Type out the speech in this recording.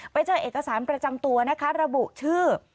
ไปเจอเอกสารประจำตัวนะคะระบุชื่อ